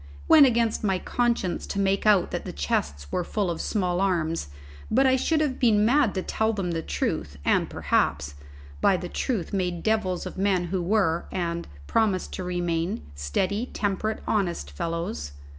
It went against my conscience to make out that the chests were full of small arms, but I should have been mad to tell them the truth, and, perhaps, by the truth made devils of men who were, and promised to remain, steady, temperate, honest fellows.